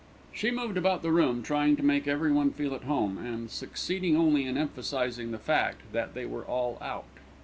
She moved about the room, trying to make everyone feel at home, and succeeding only in emphasising the fact that they were all out.